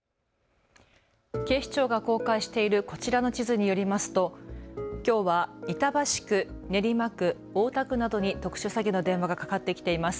警視庁が公開しているこちらの地図によりますときょうは板橋区、練馬区、大田区などに特殊詐欺の電話がかかってきています。